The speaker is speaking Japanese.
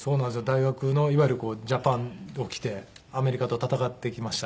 大学のいわゆる「ＪＡＰＡＮ」を着てアメリカと戦ってきました。